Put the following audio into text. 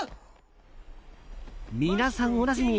皆さんおなじみ